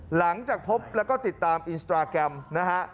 หลังจากพบแล้วก็ติดตามอินสตราแกรมนะฮะ